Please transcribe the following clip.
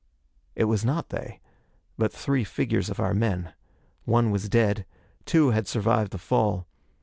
It was not they, but three figures of our men. One was dead. Two had survived the fall.